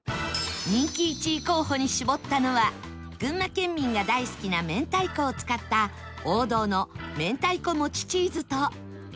人気１位候補に絞ったのは群馬県民が大好きな明太子を使った王道の明太子もちチーズと